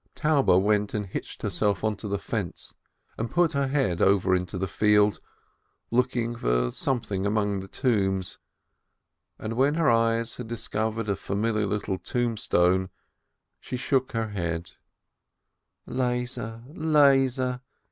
Taube went and hitched herself up onto the fence, and put her head over into the "field," looking for something among the tombs, and when her eyes had discovered a familiar little tombstone, she shook her 'head : "Lezer, Lezer!